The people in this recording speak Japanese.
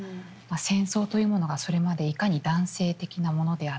戦争というものがそれまでいかに男性的なものであったか